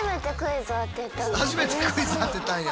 初めてクイズ当てたんや。